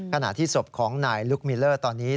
ขณะที่ศพของนายลุกมิลเลอร์ตอนนี้